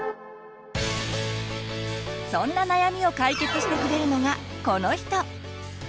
そんな悩みを解決してくれるのがこの人！